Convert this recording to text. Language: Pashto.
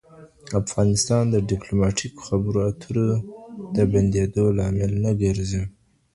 افغانستان د ډیپلوماتیکو خبرو اترو د بندېدو لامل نه ګرځي.